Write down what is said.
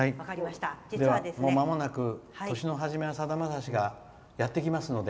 まもなく「年の初めはさだまさし」がやってきますので。